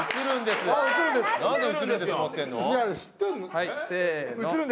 はいせーの。